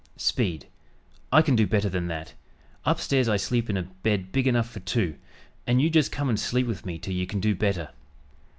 Speed "I can do better than that; upstairs I sleep in a bed big enough for two, and you just come and sleep with me till you can do better."